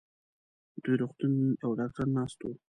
دې روغتون يو ډاکټر ناست و.